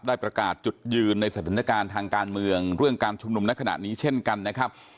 ประกาศจุดยืนในสถานการณ์ทางการเมืองเรื่องการชุมนุมในขณะนี้เช่นกันนะครับ